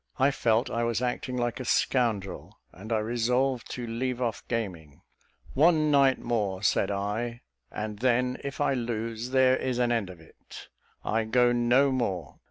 I felt I was acting like a scoundrel; and I resolved to leave off gaming. "One night more," said I, "and then, if I lose, there is an end of it; I go no more."